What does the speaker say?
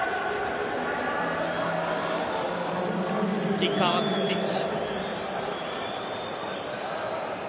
キッカーはコスティッチ。